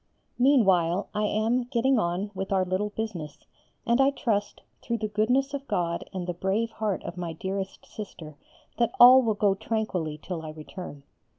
Meanwhile, I am getting on with our little business, and I trust, through the goodness of God and the brave heart of my dearest Sister, that all will go tranquilly till I return.